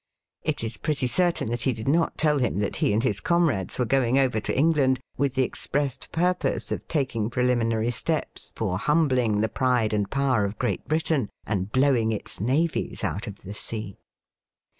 It is pretty certain that he did not tell him that he and his comrades were going over to England with the expressed purpose of taking preliminary steps for humbling the pride and power of Great Britain, and blowing its navies out of the sea.